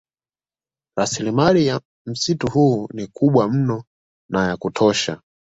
Rasilimali ya msitu huu ni kubwa mno na ya kutosha